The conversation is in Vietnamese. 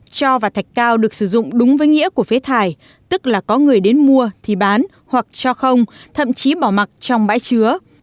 cho và thạch cao được sử dụng đúng với nghĩa của phế thải tức là có người đến mua thì bán hoặc cho không thậm chí bỏ mặt trong bãi chứa